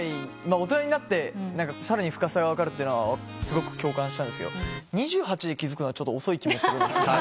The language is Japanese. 大人になってさらに深さが分かるってすごく共感したんですけど２８で気付くのはちょっと遅い気もするんですけど。